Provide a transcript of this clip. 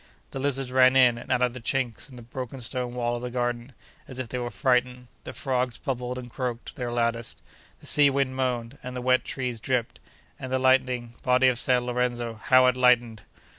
The lizards ran in and out of the chinks in the broken stone wall of the garden, as if they were frightened; the frogs bubbled and croaked their loudest; the sea wind moaned, and the wet trees dripped; and the lightning—body of San Lorenzo, how it lightened!